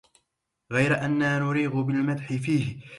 غير أنَّا نُريغُ بالمدح فيه